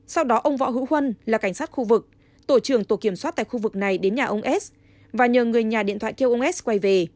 sau đó ông võ hữu huân là cảnh sát khu vực tổ trưởng tổ kiểm soát tại khu vực này đến nhà ông s và nhờ người nhà điện thoại kêu ông s quay về